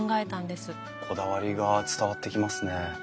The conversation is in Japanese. こだわりが伝わってきますね。